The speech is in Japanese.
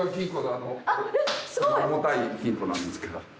重たい金庫なんですけど。